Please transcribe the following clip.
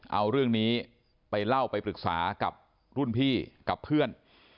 เอาเรื่องนี้ไปเล่าไปปรึกษากับรุ่นพี่กับเพื่อน